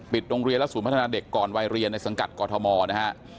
โรงเรียนและศูนย์พัฒนาเด็กก่อนวัยเรียนในสังกัดกอทมนะฮะ